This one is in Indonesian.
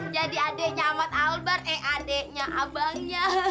jadi adeknya ahmad albert eh adeknya abangnya